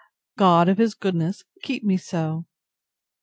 —God, of his goodness, keep me so!